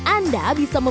anda bisa membeli